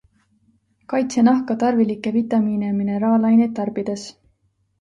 Kaitse nahka tarvilikke vitamiine ja mineraalaineid tarbides.